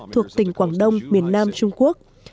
thuộc tỉnh quảng đông miền nam trung quốc